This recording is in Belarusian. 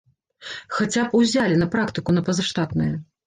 Хаця б узялі, на практыку на пазаштатнае.